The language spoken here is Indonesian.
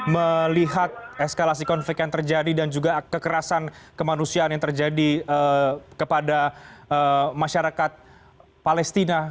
melihat eskalasi konflik yang terjadi dan juga kekerasan kemanusiaan yang terjadi kepada masyarakat palestina